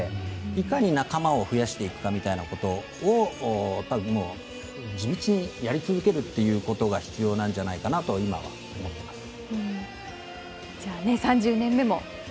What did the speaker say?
いかに仲間を増やしていくかみたいなことを地道にやり続けるってことが必要なんじゃないかなと今は思っています。